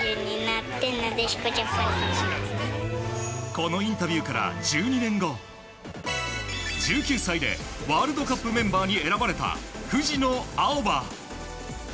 このインタビューから１２年後１９歳でワールドカップメンバーに選ばれた藤野あおば。